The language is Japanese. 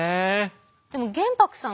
でも玄白さん